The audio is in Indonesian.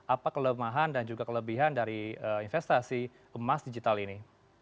apa kelemahan dan juga kelebihan dari investasi emas digital ini